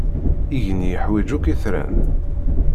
Igenni iḥwaǧ akk itran.